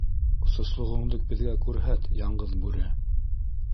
Сослоғоңдо беҙгә күрһәт, Яңғыҙ Бүре!